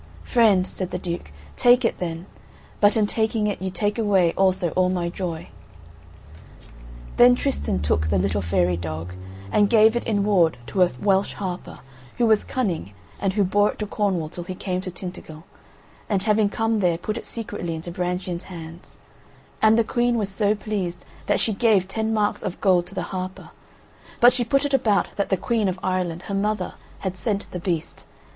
"Friend," said the Duke, "take it, then, but in taking it you take away also all my joy." Then Tristan took the little fairy dog and gave it in ward to a Welsh harper, who was cunning and who bore it to Cornwall till he came to Tintagel, and having come there put it secretly into Brangien's hands, and the Queen was so pleased that she gave ten marks of gold to the harper, but she put it about that the Queen of Ireland, her mother, had sent the beast.